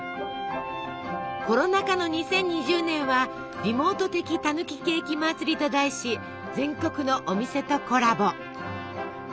コロナ禍の２０２０年は「リモート的タヌキケーキまつり」と題し全国のお店とコラボ。